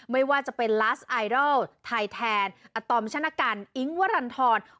ไม่ว่าจะเป็นลาสต์ไอดอลไทยแทนอตอมชนะกัลอิงค์วารันทอน